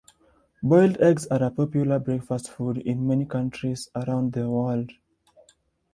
Boiled eggs are a popular breakfast food in many countries around the world.